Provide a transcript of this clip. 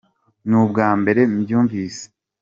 nubwambere mbyumvise.